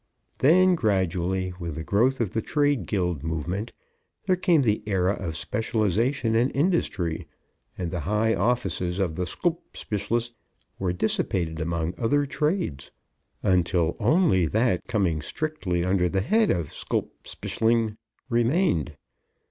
Then gradually, with the growth of the trade guild movement, there came the Era of Specialization in Industry, and the high offices of the sclp spclst were dissipated among other trades, until only that coming strictly under the head of sclp speclzng remained.